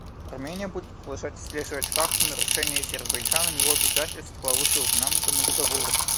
Армения будет продолжать отслеживать факты нарушения Азербайджаном его обязательств по вышеупомянутому Договору.